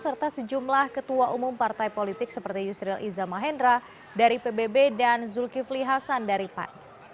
serta sejumlah ketua umum partai politik seperti yusril iza mahendra dari pbb dan zulkifli hasan dari pan